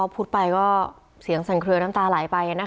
พูดไปเสียงสันเครือน้ำตาหลายไป